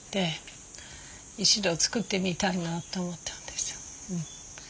一度作ってみたいなと思ったんです。